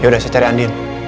yaudah saya cari andin